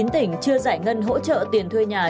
hai mươi chín tỉnh chưa giải ngân hỗ trợ tiền thuê nhà